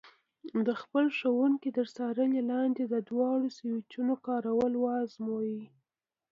د خپل ښوونکي تر څارنې لاندې د دواړو سویچونو کارول وازمایئ.